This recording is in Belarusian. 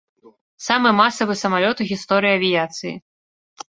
Самы масавы самалёт у гісторыі авіяцыі.